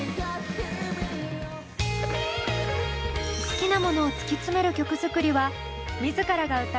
好きなものを突き詰める曲作りは自らが歌う須田景凪